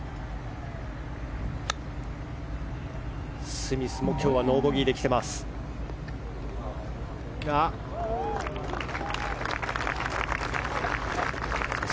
スミスも今日はノーボギーで来ています。